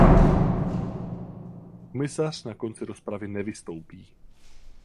Komisař na konci rozpravy nevystoupí.